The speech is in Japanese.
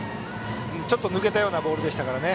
ちょっと抜けたようなボールでしたからね。